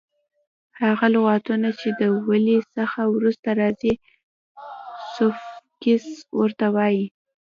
هغه لغتونه چي د ولي څخه وروسته راځي؛ سوفیکس ور ته وایي.